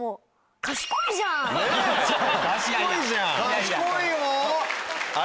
賢いよ！